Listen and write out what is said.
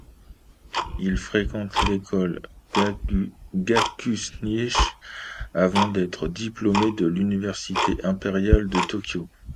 Il fréquente l'école Gakushūin avant d'être diplômé de l'université impériale de Tokyo.